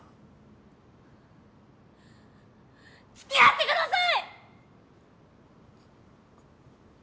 付き合ってください！